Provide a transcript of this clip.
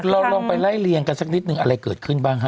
เราลองไปไล่เรียงกันสักนิดนึงอะไรเกิดขึ้นบ้างฮะ